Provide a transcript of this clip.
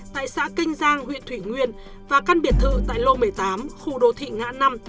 tại xã kinh giang huyện thủy nguyên và căn biệt thự tại lô một mươi tám khu đô thị ngã năm